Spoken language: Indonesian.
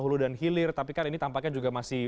hulu dan hilir tapi kan ini tampaknya juga masih